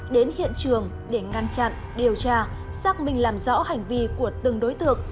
đến hiện trường để ngăn chặn điều tra xác minh làm rõ hành vi của từng đối tượng